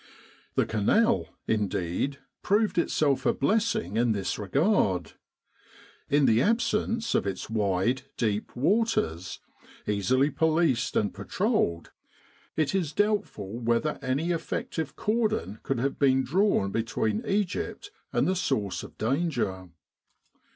The Canal, indeed, proved itself a blessing in this regard. In the absence of its wide deep waters, easily policed and patrolled, it is doubtful whether any effective cordon could have been drawn between Egypt and the source of danger.